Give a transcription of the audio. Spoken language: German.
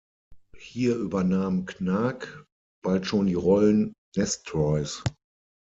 Hier übernahm Knaack bald schon die Rollen Nestroys.